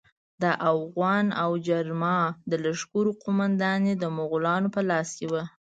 د اوغان او جرما د لښکرو قومانداني د مغولانو په لاس کې وه.